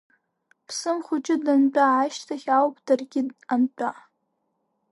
Мсым Хәыҷы дантәа ашьҭахь ауп даргьы антәа.